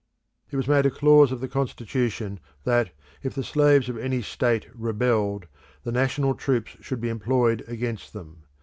It was made a clause of the Constitution that, if the slaves of any state rebelled, the national troops should be employed against them.